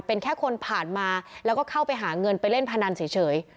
เป็นแค่คนผ่านมาแล้วก็เข้าไปหาเงินไปเล่นพนันเฉย